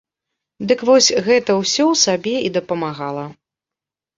Дык вось, гэта ўсё ў сабе і дапамагала.